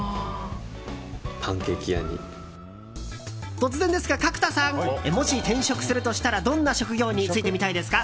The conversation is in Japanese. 突然ですが角田さんもし転職するとしたらどんな職業に就いてみたいですか？